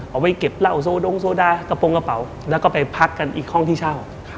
เอาไปเก็บเหล้าโซดงโซดากระโปรงกระเป๋าแล้วก็ไปพักกันอีกห้องที่เช่า